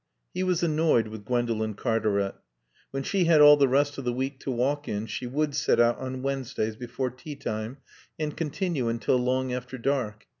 He was annoyed with Gwendolen Cartaret. When she had all the rest of the week to walk in she would set out on Wednesdays before teatime and continue until long after dark.